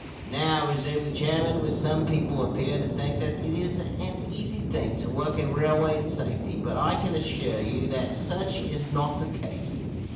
"Now," resumed the chairman, "some people appear to think that it is an easy thing to work a railway in safety, but I can assure you that such is not the case.